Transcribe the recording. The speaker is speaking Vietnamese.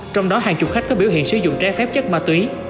trong đó hàng chục khách có biểu hiện sử dụng trái phép chất ma túy